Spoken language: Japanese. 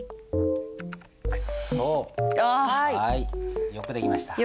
はいよくできました。